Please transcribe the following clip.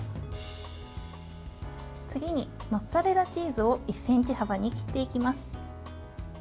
次にモッツァレラチーズを１ｃｍ幅に切っていきます。